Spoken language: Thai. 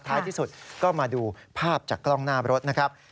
ท้ายที่สุดก็มาดูภาพจากกล้องหน้ารถนะครับ